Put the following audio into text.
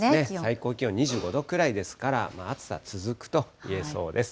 最高気温２５度くらいですから、暑さ続くといえそうです。